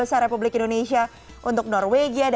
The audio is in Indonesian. pasang traits sepertikan tapi bukannya maksimal